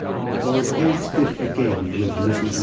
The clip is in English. LORD HAMPSTEAD AGAIN WITH MRS.